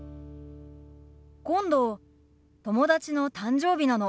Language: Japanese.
今度友達の誕生日なの。